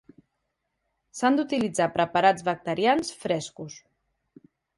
S'han d'utilitzar preparats bacterians frescos.